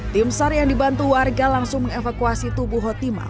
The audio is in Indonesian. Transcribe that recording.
tim sar yang dibantu warga langsung mengevakuasi tubuh hotimah